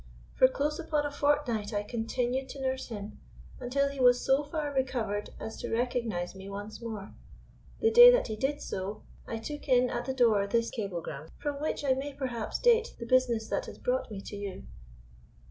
"For close upon a fortnight I continued to nurse him, until he was so far recovered as to recognize me once more. The day that he did so I took in at the door this cablegram, from which I may perhaps date the business that has brought me to you."